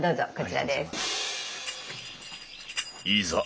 いざ